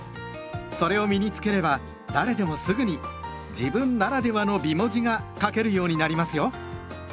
それを身に付ければ誰でもすぐに「自分ならではの美文字」が書けるようになりますよ。